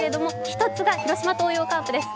一つが広島東洋カープです。